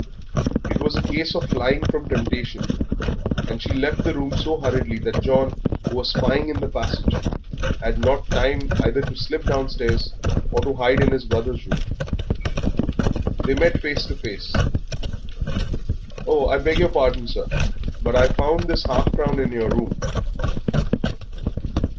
It was a case of flying from temptation, and she left the room so hurriedly that John, who was spying in the passage, had not time either to slip downstairs or to hide in his brother's room. They met face to face. "Oh, I beg pardon, sir, but I found this half crown in your room."